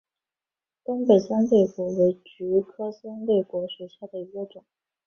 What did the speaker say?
东北三肋果为菊科三肋果属下的一个种。